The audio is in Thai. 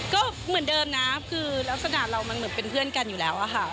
ก็เหมือนเดิมนะคือลักษณะเรามันเหมือนเป็นเพื่อนกันอยู่แล้วอะค่ะ